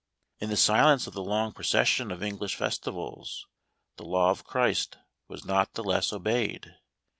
In the silence of the long procession of English festivals, the law of Christ was not the less obeyed.